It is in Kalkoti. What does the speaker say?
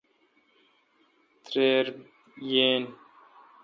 تریر یین۔